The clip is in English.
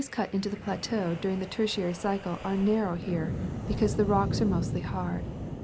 cut into the plateau during the Tertiary cycle are narrow here, because the rocks are mostly hard.